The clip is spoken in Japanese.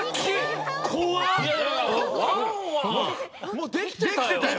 もうできてたよ。